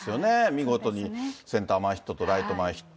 見事にセンター前ヒットとライト前ヒット。